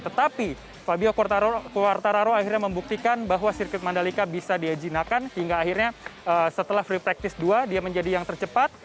tetapi fabio quartararo akhirnya membuktikan bahwa sirkuit mandalika bisa diajinakan hingga akhirnya setelah free practice dua dia menjadi yang tercepat